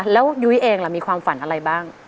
แล้วยุ้ยเองล่ะมีความฝันอะไรบ้าง